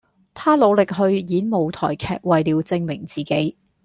他努力去演舞台劇為了證明自己